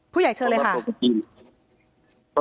ผู้ใหญ่เชิญเลยค่ะ